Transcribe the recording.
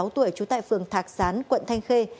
một mươi sáu tuổi chú tại phường thạc gián quận thanh khê